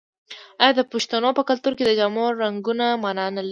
آیا د پښتنو په کلتور کې د جامو رنګونه مانا نلري؟